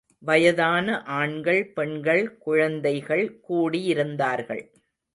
வயதான ஆண்கள், பெண்கள், குழந்தைகள் கூடியிருந்தார்கள்.